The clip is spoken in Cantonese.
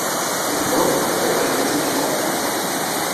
你同我碌大對眼睇清楚